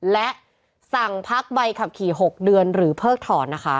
และสั่งพักใบขับขี่๖เดือนหรือเพิกถอนนะคะ